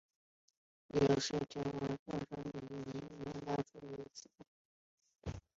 琉球第一尚氏王朝国王尚思绍的祖父佐铭川大主出生于此岛。